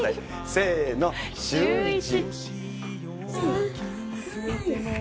せーの、シューイチ。